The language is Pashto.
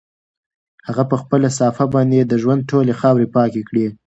هغه په خپله صافه باندې د ژوند ټولې خاورې پاکې کړې.